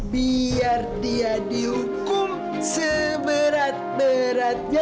biar dia dihukum seberat beratnya